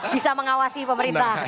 bisa mengawasi pemerintah